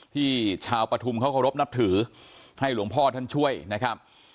ที่ชาวปฐุมเขาเคารพนับถือให้หลวงพ่อท่านช่วยนะครับ